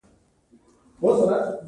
د توکو ویش د وسایلو په ویش پورې تړلی دی.